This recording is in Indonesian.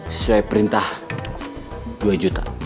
sesuai perintah dua juta